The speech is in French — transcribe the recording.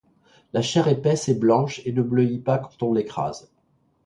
La chair épaisse est blanche et ne bleuit pas quand on l'écrase.